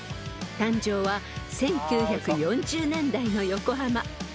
［誕生は１９４０年代の横浜］